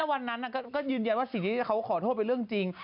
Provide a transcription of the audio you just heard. วันนั้นก็ยืนยันว่าสิ่งที่เขาขอโทษเป็นเรื่องจริง